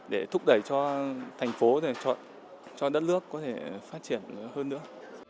để thúc đẩy cho thành phố chọn cho đất nước có thể phát triển hơn nữa